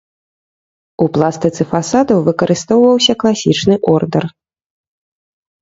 У пластыцы фасадаў выкарыстоўваўся класічны ордар.